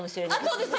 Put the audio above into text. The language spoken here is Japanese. そうです。